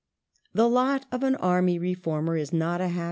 The lot of an Army reformer is not a happy one.